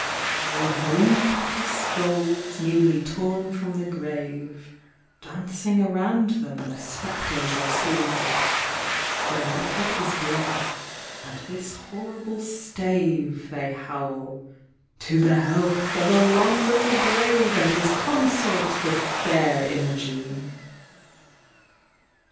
While they drink out of skulls, newly torn from the grave, Dancing around them the spectres are seen; Their liquid is blood, and this horrible stave They howl: "To the health of Alonzo the Brave, And his consort, the Fair Imogene."